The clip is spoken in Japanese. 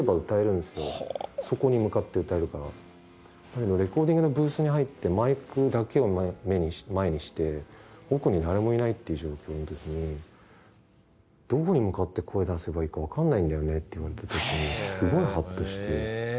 だけどレコーディングのブースに入ってマイクだけを前にして奥に誰もいないっていう状況の時に「どこに向かって声出せばいいかわかんないんだよね」って言われた時にすごいハッとして。